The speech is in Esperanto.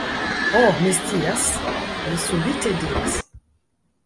Ho! mi scias! mi subite diris.